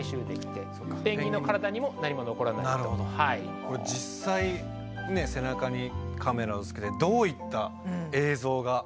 これ実際ね背中にカメラをつけてどういった映像が撮れるんでしょうか。